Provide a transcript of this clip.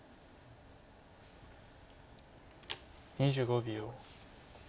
２５秒。